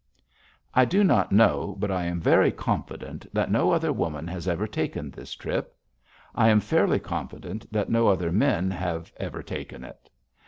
I do not know, but I am very confident that no other woman has ever taken this trip. I am fairly confident that no other men have ever taken it.